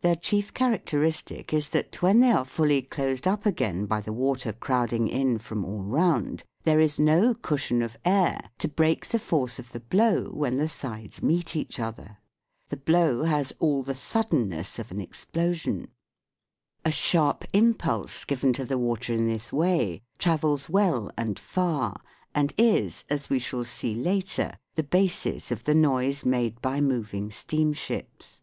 Their chief characteristic is that, when they are fully closed up again by the water crowding in from all round, there is no cushion of air to break the force of the blow when the sides meet each other. The blow has all the suddenness of 134 THE WORLD OF SOUND an explosion. A sharp impulse given to the water in this way travels well and far and is, as we shall see later, the basis of the noise made by moving steamships.